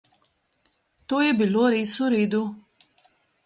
To je bilo res vredu.